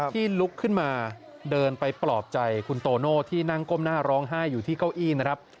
ลุกขึ้นมาเดินไปปลอบใจคุณโตโน่ที่นั่งก้มหน้าร้องไห้อยู่ที่เก้าอี้นะครับ